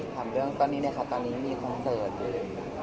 ถามเรื่องตอนนี้เนี่ยค่ะตอนนี้มีคอนเสิร์ตด้วย